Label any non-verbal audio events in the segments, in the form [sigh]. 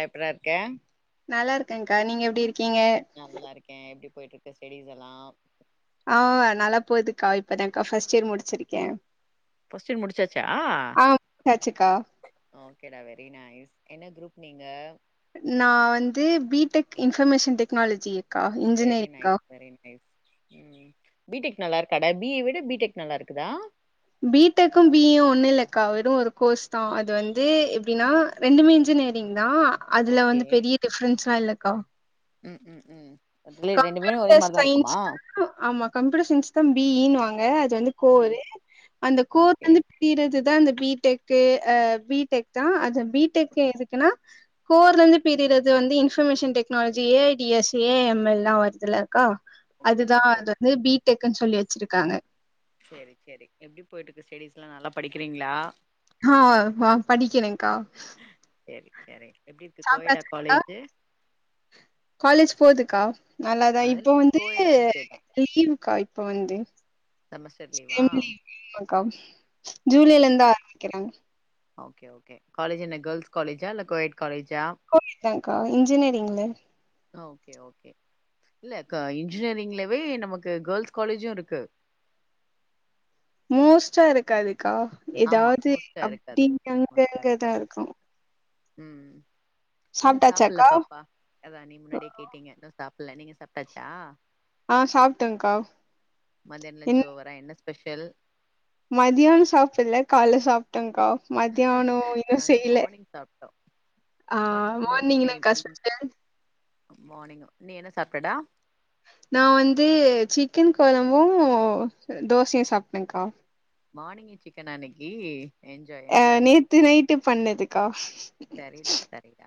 எப்டிறா இருக்க நல்லா இருக்கேங்க்கா நீங்க எப்டி இரு நல்லா இருக்கே எப்டி போயிட்டு இருக்கு ஸ்டடிஸ் எல்லா ஆ நல்லா போகுதுக்கா இப்பதாக்கா ஃபர்ஸ்ட் இயர் முடிச்சிருக்கே கொஸ்டின் முடிச்சாச்சா ஆ ஓகே டா வெரி நைஸ் என்ன குரூப் நீங்க நா வந்து B tech information technology very nice very nice B tech நல்லாருக்காடா பி ஏ விட பி டெக் நல்லாருக்குதா பி டெக்கு பி ஈ யு ஒண்ணுல்லக்கா வெரு ஒரு கோஸ் தா அது வந்து எப்டினா ரெண்டுமே இன்ஜினியரிங் தா அதுல வந்து பெரிய டிஃப்ரென்ஸ்லா இல்ல க உம் உம் உம் கம்ப்யூட்டர் சயின்ஸ் ஆமா கம்ப்யூட்டர் சயின்ஸ் தா பி இன் வாங்க ஆ இதுவந்து ம் கோரு அந்த கோர் ஓகே வந்து பிரியிரது தா இந்த பி டெக்கு அ பி டெக் தா அது பி டெக் எதுக்குனா கோர்லந்து பிரிரது வந்து information technology A I D S A M மெல்லா வர்துல கா ஓகே அதுதா பாப்போ அது வந்து பி டெக் க்குன் சொல்லி வச்சிருக்காங்க சேரி சேரி எப்டி போயிட்ருக்கு ஸ்டடீஸ்லா நல்லா படிக்கிறீங்ளா ஹா வ படிக்கிறேங்க்கா சேரி சேரி எப்டி இருக்கு கோயடா சாப்டாச்சாக்கா காலேஜு காலேஜ் போதுக்கா நல்லாதா அ இல்ல இப்ப வந்து கோயடான்னு கேட்டே லீவுக்கா இப்ப வந்து செமஸ்டர் லீவா [unintelligible] க்கா சேரி ஜூலைலந்து சேரி ஆரம்பிக்கிறாங்க ஓகே ஓகே காலேஜ் என்ன கேர்ள்ஸ் காலேஜா இல்ல கோயட் காலேஜ் கோயட்தாங்கா இன்ஜினியரிங்ல ஓகே ஓகே இல்ல க இன்ஜினியரிங்லவே நமக்கு கேர்ள்ஸ் காலேஜு இருக்கு மோஸ்டா இருக்காது கா ஆமா எதாவ்து மோஸ்ட்டா இருக்காது அப்டி அங்கங்கதா இருக்கு உம் இன்னு சாப்புல்ல சாப்ட்டாச்சாக்கா பாப்பா அதா நீ முன்னாடியே கேட்டீங்க இன்னு சாப் இல்ல நீங்க சாப்ட்டாச்சா ஆ சாப்ட்டங்கா மதியான லன்ச் இன் ஓவரா என்ன ஸ்பெஷல் மதியான் சாப்புல்ல கால்ல சாப்டங்க்கா மத்யானொ இன்னு நாங்க செய்யல மார்னிங் சாப்ட்டோ ஆ மத் மார்னிங் எனாக்கா ஸ்பெஷல் மார்னிங் நீ என்ன சாப்டடா நா வந்து சிக்கன் கொழம்பு தோசையு சாப்ட்டங்கா மார்னிங்கே சிக்கனா இன்னக்கி என்ஜாய் என்ஜாய் ட்டு பண்ணதுக்கா சரிடா சரிடா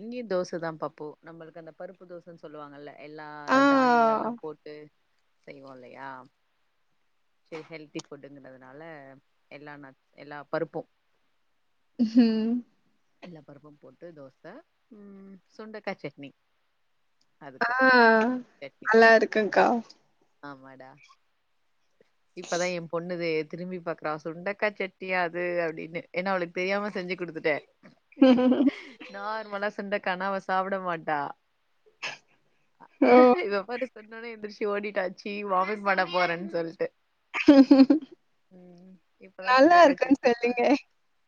இங்கயும் தோசைதா பாப்பு நம்மளுக்கு அந்த பருப்பு தோசைன்னு சொல்லுவாங்கல்ல எல்லா ஆ தானியங்கள்லாம் போட்டு செய்வோம் இல்லையா சரி ஹெல்த்தி ஃபுட்டுங்கிறதுனால எல்லாம் எல்லா பருப்போம் ம் எல்லா பருப்பும் போட்டு தோச உம் சுண்டக்காய் சட்னி அதுக்கு ஆஹ் சட்னி நல்லா இருக்குங்கா ஆமாடா இப்பதா என் பொண்ணு திரும்பி பாக்குறா சுண்டக்காய் செட்டியா அது அப்படின்னு ஏன்னா அவளுக்கு தெரியாம செஞ்சு குடுத்துட்டே ஹ நார்மலா சுண்டக்கானா அவ சாப்பிட மாட்டா ஓ [unintelligible] சொன்னோனே எந்திரச்சு ஓடிட்டாச்சு வாமிட் பண்ண போறேன்னு சொல்லிட்டு உம் இப்பதா நல்லா இருக்குன்னு சொல்லுங்க சொண்டக்கச்சேட்ட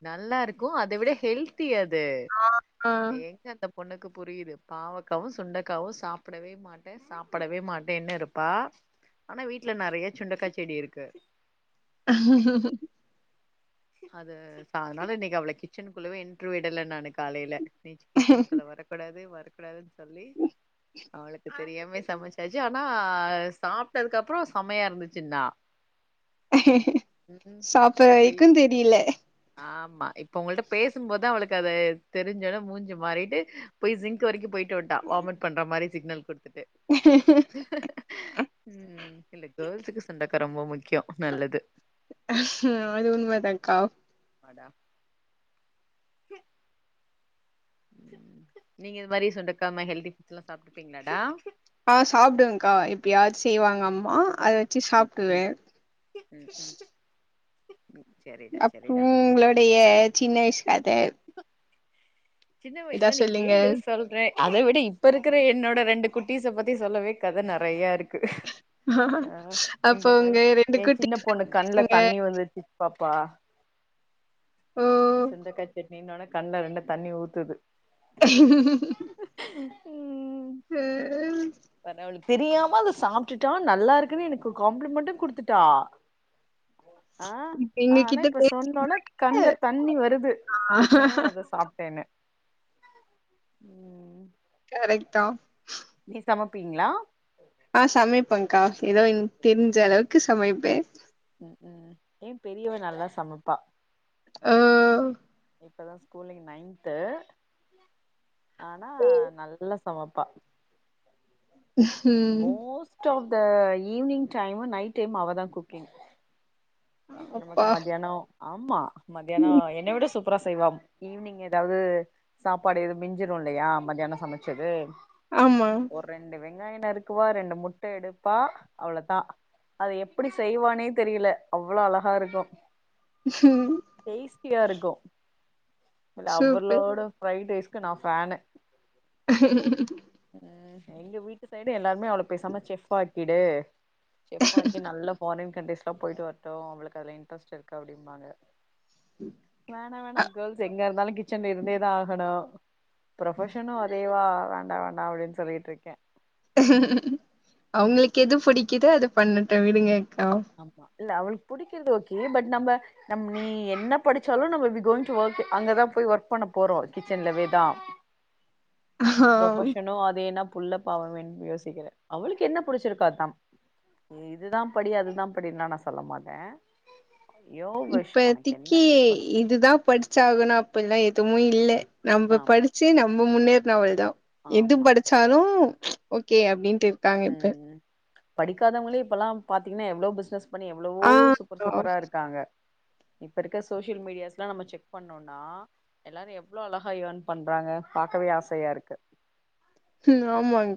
நல்லா இருக்கு கு அது வுட ஹெல் தி அது ஆ ஆ எங்க அந்த பொண்ணுக்கு புரியுது பாவக்காவும் சுண்டக்காவும் சாப்பிடவே மாட்டேன் சாப்பிடவே மாட்டேன்ன்னு இருப்பா ஆனா வீட்டுல நிறைய சுண்டக்காய் செடி இருக்கு அது அதனால இன்னைக்கு அவ்ள கிச்சனுக்குள்ளவே இன்ட்ரு விடல நானு காலையில நீ கிச்சன்கல வரக்கூடாது வர வர கூடாது சொல்லி அவளுக்கு தெரியாம அப்பையே சமைச்சாச்சு ஆனா சாப்பிட்டதுக்கு அப்புறம் செமையா இருந்துச்சுனா சாப்பற இப்ப வை க்கு இ- தெ ரில ஆமா இப்ப உங்கள்ட பேசும் போதா அவளுக்கு அதைதெரி்ஞ்சனே மூஞ்சு மாறிட்டு போய் ஜிங்க் வரைக்கும் போயிட்டு வட்டாவாமிட் பண்ற மாதிரி சிக்னல் கொடுத்த ட்டு உம் இல்ல கேர்ள்ஸுக்கு செண்டைக்கா ரொம்ப முக்கியம் நல்லது ஹ அது உண்மை தாக்கா அட நீங்க இது மாதிரி சுண்டக்காமாரி ஹெல்தி புஃட் எல்லாம் சாப்பிட்டுப்பீங்களாடா ஆஹ் சாப்பிடுவே்கா எப்பையாச்சு செய்வாங்க அம்மா குட் அத கேர்ள் வச்சு ம் ம் சாப்பிடுவேன் ம் ம் ம் செரிடா செரிடா அப்புறம் உங்களோடைய சின்ன வயசுகத சின்ன வயசுல நீ கேளு சொல்றேன் அத விட இப்ப இருக்கிற என்னோட ரெண்டு குட்டீஸ பத்தி சொல்லவே கதெ நெறையா இருக்கு ஆ அப்போ இங்க உங்க பார்ங் ரெண்டு எ குட்டி சின்ன பொண்ணு கண்ணுல பசங்க தண்ணி வந்துச்சு ப ஓ சுண்டக்காய் சட்னி னோன கண்ட கண்ட தண்ணி ஊத் துது ம் அ அ அவளுக்கு தெரியாம அத சாப்டுட்டோ நல்லா இருக்குன்னு எனக்கு காம்ப்ளிமெண்ட்டு குடுத்துட்டா ஆ ஆ எங்க ஆனா கிட்ட இப்ப பேச சொன்னோனே கண்ல தண்ணி வருது ஆ அத சாப்டேன்னு ம் ரைத்தா நீ சமப்பீங்ளா ஆ சமைப்பங்கா ஏதோ எனக் தெரிஞ்ச அளவுக்கு சமைப்பே ம் ம் ஏ பெரியவ நல்லா சமப்பா ஒ இப்பதா ஸ்கூலிங் நைன்த்து ஆனா நல்ல சமப்பா ம் மோஸ்ட் ஆப் இந்த ஈவி்னிங் டைமு நைட் டைமு அவதா குக்கிங் நமக்கு அப்பா மத்யாணோ ஆமா மத்தியாணோ என்ன விட அப்புற செய்வா ஈவி்னிங் ஏதாவது சாப்பாடு எது மிஞ்சிரு இல்லையா மத்தியாணோ சமச்சது ஆமா ஒரு ரெண்டு வெங்காய நறுக்குவா ரெண்டு முட்ட எடுப்பா அவ்ளோதா அத எப்டி செய்வானே தெரியல அவ்ளோ அழகா இருக்கு டேஸ்டியா இருக்கு இல்ல சூப்பர் அவளோட ஃப்ரைட் ரைஸ் க்கு நா ஃபேனு எங்க வீட்டு சைடு எல்லார்மே அவள பேசாம செஃப் ஆக்கிடு செஃப் ஆக்கி நல்லா ஃபாரின் கண்ட்ரீஸ்லா போயிட்டு வர்ட்டு அவளுக்கு அதுல இன்ரஸ்ட் இருக்கு அப்படிம்பாங்க வேணா வேணா கேல்ஸ் எங்க இருந்தாலு கிச்சன்ல இருந்தே தா ஆகணு ப்ரொஃபசன்னு அதேவா வேண்டா வேண் நா அப்டின்னு சொல்லிட்டு இருக்கே அவுங்களுக்கு எது புடிக்குதோ அத பன்னட்டு விடுங்க அக்கா ஆம்மா இல்ல அவளுக்கு புடிக்கிறது ஓகே பட் நம்ப நம் நீ என்ன படிச்சாலு நம்ம வி கோயிங் டூ ஒர்க் அங்கதா போய் ஒர்க் பண்ண போறோ கிச்சன்லவே தா ஆ ப்ரொபோசனும் அது என்னப் புல்ல பாவமேனு யோசிக்கிறே அவளுக்கு என்ன புடிச்சிருக்கோ அதான் இதுதா படி அது ல்லா அப்டின்லா நா சொல்ல மாட்டே யோர் விஷ் உனக்கு என்ன இப்பதிக்கி ப- இதுதா படிச்சு ஆகணு அப்பில்லா எ எதுவும் இல்ல நம்ப ஆமா படிச்சு நம்ம முன்னேர் எல்லா அவள்தா எது ஆமா படிச்சாலும் ஓகே அப்டின்ட்டு இருக்காங்க ம் இப்ப ம் படிக்காதவங்களே இப்பல்லா பாத்தீங்கன எவ்ளோ பிஸ்னஸ் பண்ணி எவ்ளவோ ஆ சூப்பர் சூப்பரா இருக்காங்க இப்ப இருக்க சோசியல் மீடியாஸ்லாம் நம்ம செக் பண்ணோம்னா எல்லாரும் எவ்ளோ அழகா ஏர்ன் பண்றாங்க பாக்கவே ஆசையா இருக்கு ஹ்ம் ஆமாங்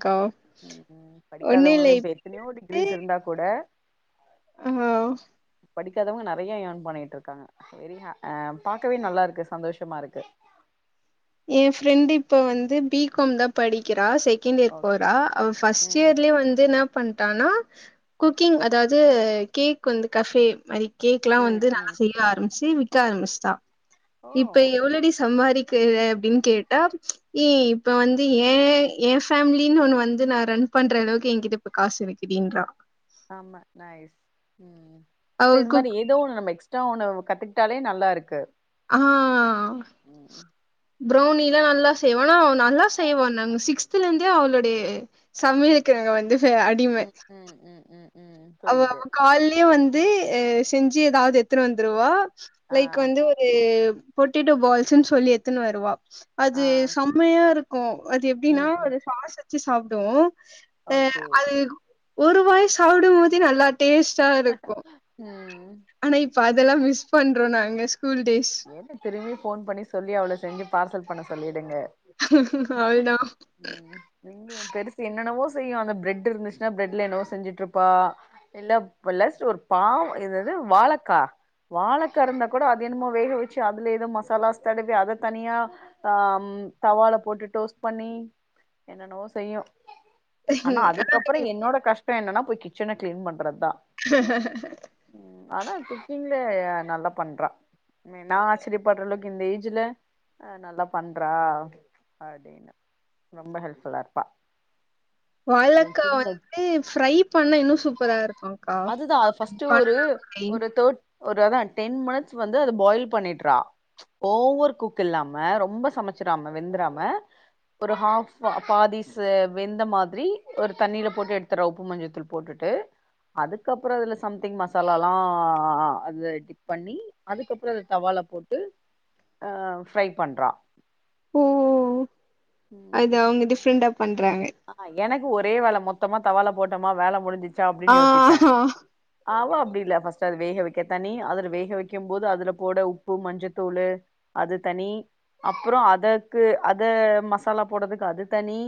ம் ம் படிக்காதவங்களே இப்ப எத்தனையோ டிகிரீஸ் இருந்தா கூட ஆ ஓ படிக்காதவங்க நெறைய ஏர்ன் பண்ணிட்டு இருக்காங்க வெரி ஹா ஆ பாக்கவே நல்லா இருக்கு சந்தோஷமா இருக்கு என் பிரெண்ட் இப்ப வந்து பிகாம் தா படிக்கிறா செக செகண்ட் இயர் ஓக் போறா அவ பஸ்ட் ம் இயர்லயே வந்து என்னா பண் த் ஆனா குக்கிங் அதாவது கேக் வந்து கஃபே மாரி கேக் லா ம் வந்து நா ம் செய்ய ஆரம்பிச்சு தர மிஸ்தா ஓ இப்ப எவ்ளோடி சம்பாதிக் கிற்ரேப் அப்டின்னு கேட்டா ஏன் இப்ப வந்து ஏன் ஏ ஃபேமிலின்னு ஒண்ணு வந்து நா ரன் பண்ற அளவுக்கு என்கிட்ட இப்ப காசு இருக்குடின்றா ஆமா நயிஸ் ம் அவ இது மாரி குக் ஏதோ ஒன்னு நம்ப எக்ஸ்ப் சிஸ்டம் ஒன்னு கத்துக்கிட்டாலே நல்லா இருக்கு ஆஹ் ம் ப்ரெளனிலா நல்லா செய்வா ஆனா நல்லா செய்வா நாங்க சிக்ஸ்த்லேந்தே அவளுடைய சமையலுக் நாங்க வந்து ச அடிம ம் ம் ம் ம் ம் அவ புரியுது கால்லேயே வந்து து செஞ்சு எதாவது த்துனு வந்துருவா ஆ லைக் வந்து ஒரு பொட்டேட்டோ பால்ஸ்நு சொல்லி எத்துன்னு வருவா அது ஆ செம்மையா இருக்கு கோ அது எப்படின்னா ம் ம் ஒரு சுவாச சி சாப்டுவோ ஆ ஓகே அது ஒரு வாய் சா தி நல்லா டேஸ்ட்டா இருக்கு ம் ஆனா இப்ப அதெல்லா மிஸ் பண்றோ நாங்க ஸ்கூல் டேஸ் என்ன திரும்பி ஃபோன் பண்ணி சொல்லி அவ்வளோ செஞ்சு பார்சல் பண்ண சொல்லிடுங்க அதுதா செய்யும் அந்த பிரெட் இருந்துச்சுன்னா பிரட்ல என்னவோ செஞ்சிட் இருப்ப இல்ல ப்ளஸ் ஒரு பா என்னது வாழக்க வாழக்கா இருந்தா கூட அது என்மோ வேக வச்சு அதுல ஏதவு மசாலாஸ் தடவி அதை தனியா ஆ தவால போட்டு டோஸ்ட் பண்ணி என்னன்னவோ செய்யு ஆனா அதுக்கப்புறோ என்னோட கஷ் டோ என்னனா போய் கிச்சன க்ளீன் பண்ணு [unintelligible] [inaudible] ஆனா குக்கிங்ல நல்லா பண்றா நா ஆச்சரியப்படுற அளவுக்கு இந்த ஏஜ்ல அ நல்லா பண்றா அப்டினு ரொம்ப ஹெல்ப்ஃபுல்லா இருப்பா எ வாழக்கா சின்ன வந்து ஃப்ரை பண்ண இன்னு சூப்பரா இருக்குங்க்கா அதுதா ஃபஸ்ட்டு ஒரு பண்ணனா ஃப்ரை ஒரு அதா டென் மினிட்ஸ் வந் ந்து அத பாயில் பண்ணிட்ற ஓவர் குக் இல்லாம ரொம்ப சமச்சிராமா வெந்துறாம ஒரு ஹஃப்பா பாதி வெந்த மாத்ரி ஒரு தண்ணீல போட்டு எட்துரோ உப்பு மஞ்சதூள் போட்டுட்டு அதுக்கப்பறோ அதுல சம்திங் மசாலால்லா டிப் பண்ணி அதுக்கப்பறோ அத தவால போட்டு அ ஃப்ரை பண்றா ஓ ம். அது அவங்க டிஃப்ரெண்டா பண்றாங்க. ஆ எனக்கு ஒரே வேல மொத்தமா தவால போட் என்னமா வேல முடிஞ்சுச் த ஆ அப்டின் யோசிப்ப அவ அப் அப்டி இல்ல ஃபர்ஸ்ட் அது வேக வைக்க தனி அதுல வேக வைக்கும் போது அதுல போட உப்பு மஞ்சத்தூளு அது தனி அப்பற அதுக்கு அத மசாலா போடதுக்கு அது தனி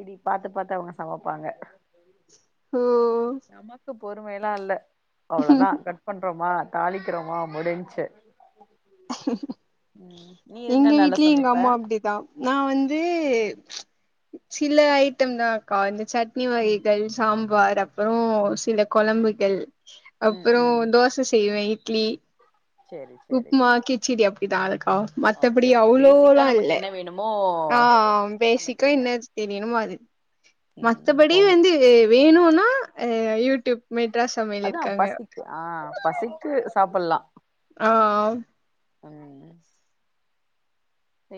இப்டி பாத்து பாத்து அவுங்க சமைப்பாங்க ஓ பொறுமையல்லா இல்ல அவ்ளதா கட் பண்றோமா தாளிக்கிறோமா முடிஞ்சு எங்க என்ன நல்லா வீட்லயு எங்க சமைப்ப அம்மா அப்டிதா நா வந்து சில ஐட்டம் தாக்கா இந்த சட்னி ம் வகைகள் சாம்பார் ஓகே அப்றோ சில கொழம்புகள் ம் அப்புறோ தோச செய்வ இ ட்லி செரி செரி மா கிச்சடி அப் இதாலக் கா மத்தபடி ஓகே ஓகே பேசிக்கா அவ்ளோல்லா நமக்கு இல்ல என்ன வேணுமோ ஆ பேசிக்கா சமைக்கிறீங்க என்ன தெரியணுமோ அது ம் மத்தபடி போங்க வந்து வேணுனா ஆ அ யூட்யூப் அதா பசிக் ஆ பசிக்கு சாப்ட்லா ஆ ம்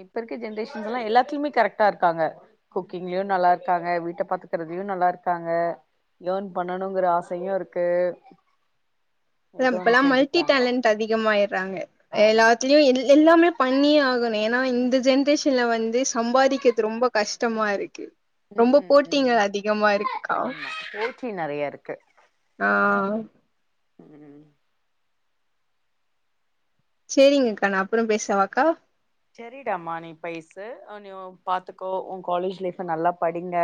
இப்ப இருக்க ஜென்ரேஷன்ஸ் எல்லா எல்லாத்துலயுமே கரெக்டா இருக்காங்க குக்கிங்லயு நல்லா இருக்காங்க வீட்ட பாத்துக்கறதயு நல்லா இருக்காங்க ஏர்ண் பண்ணணுங்கிற ஆசையு இருக்கு ஏதோ ஒண்ணு இப்பல்லா மல்டி செஞ்சுக்கிறாங்க டேலன்ட் அதிகமாயிறாங்க ஆமா எல்லாத்துலயு எல்லாமே பண்ணியே ஆகணு ஏனா இந் த ஜென்ரேஷன்ல வந்து சம்பாதிக்கது ரொம்ப கஷ்டமா இருக்கு ம் ரொம்ப ம் போட்டிங்க ம் அதிகமா இருக்குக்கா ஆமா போட்டி நெறைய இருக்கு ஆ ம் சேரிங்க அக்கா நா அப்றோ பேசவாக்கா செரிடாமா நீ பேசு நீ பாத்துக்கோ உன் காலேஜ் லைஃப் நல்லா படிங்க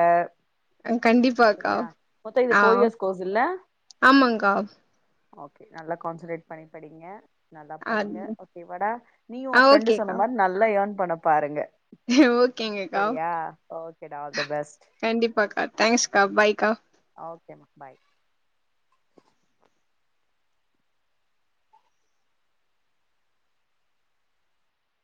கண்டிப்பாக்கா சரியா மொத்தம் இது ஆ ஃபோர் இயர்ஸ் கோர்ஸ் இல்ல ஆமாங்க்கா ஓகே நல்லா கான்சன்ட்ரேட் பண்ணி படிங்க நல்லா ஆ படிங்க ஓகே வாடா நீயு ஆ உன் ஃப்ரெண்டு ஓகேக்கா சொன்ன நல்லா ஏர்ன் பண்ண பாருங்க ஓகேங்கக்கா சரியா ஓகேடா ஆல் த பெஸ்ட் கண்டிப்பாக்கா தேங்க்ஸ் கா ம் பாய்கா ஓகேம்மா பாய்